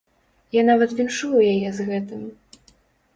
Я нават віншую яе з гэтым.